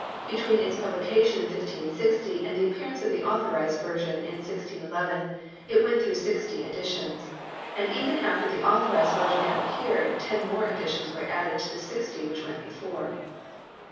Between its publication in 1560 and the appearance of the Authorised Version of 1611 it went through sixty editions ; and even after the Authorised Version had appeared, ten more editions were added to the sixty which went before.